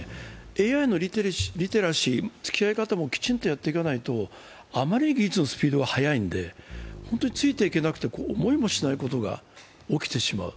ＡＩのリテラシー、つきあい方もきちんとやっていかないとあまりに技術のスピードが速いので、本当についていけなくて思いもしないことが起きてしまう。